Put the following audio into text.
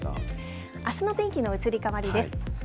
あすの天気の移り変わりです。